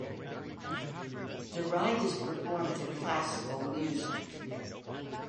The ride is performed to classical music.